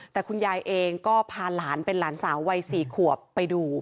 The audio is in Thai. แต่คุณยายเองก็พาหลานเป็นหลานสาววัย๔ขวบไปดู